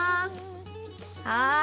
はい。